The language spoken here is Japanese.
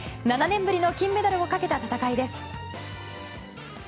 ７年ぶりの金メダルをかけた戦いです。